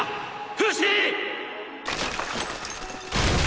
フシ！！